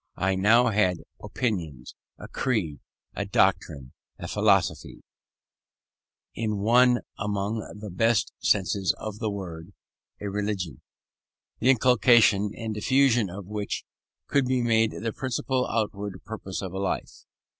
I now had opinions; a creed, a doctrine, a philosophy; in one among the best senses of the word, a religion; the inculcation and diffusion of which could be made the principal outward purpose of a life.